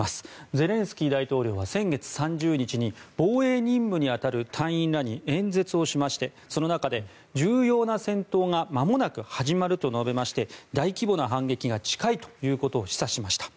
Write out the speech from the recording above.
ゼレンスキー大統領は先月３０日に防衛任務に当たる隊員らに演説をしましてその中で重要な戦闘がまもなく始まると述べまして大規模な反撃が近いということを示唆しました。